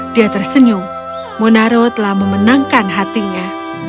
dia tersenyum munaro telah memenangkan hatinya